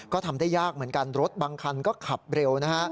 ก็ทำได้ยากเหมือนกันรถบางคันก็ขับเร็วนะฮะ